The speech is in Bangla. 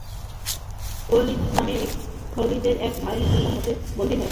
ওলীদ নামে খালিদের এক ভাই মুসলমানদের হাতে বন্দি হয়।